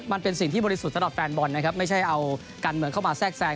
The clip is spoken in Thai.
มันเป็นสิ่งที่บริสุทธิ์สำหรับแฟนบอลนะครับไม่ใช่เอาการเมืองเข้ามาแทรกแทรง